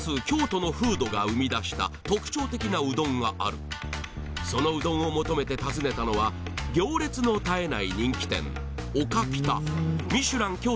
京都の風土が生み出した特徴的なうどんがあるそのうどんを求めて訪ねたのは行列の絶えない人気店おかきたミシュラン